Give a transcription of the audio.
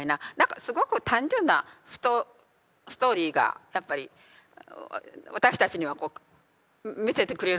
すごく単純なストーリーがやっぱり私たちには見せてくれるじゃないですか。